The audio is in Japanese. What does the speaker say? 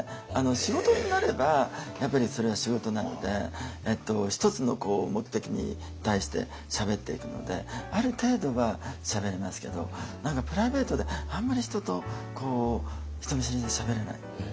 仕事になればやっぱりそれは仕事なので一つの目的に対してしゃべっていくのである程度はしゃべれますけど何かプライベートであんまり人と人見知りでしゃべれない。